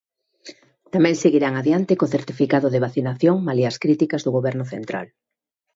Tamén seguirán adiante co certificado de vacinación, malia as críticas do Goberno central.